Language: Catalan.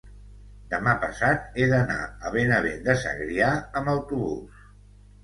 demà passat he d'anar a Benavent de Segrià amb autobús.